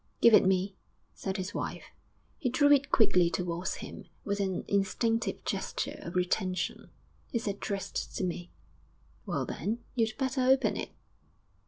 'Give it me,' said his wife. He drew it quickly towards him, with an instinctive gesture of retention. 'It's addressed to me.' 'Well, then, you'd better open it.'